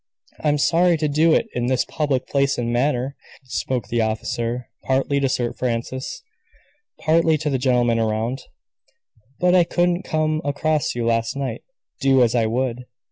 "I'm sorry to do it in this public place and manner," spoke the officer, partly to Sir Francis, partly to the gentlemen around, "but I couldn't come across you last night, do as I would.